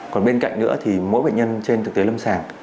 còn bên cạnh nữa thì mỗi bệnh nhân trên thực tế lâm sàng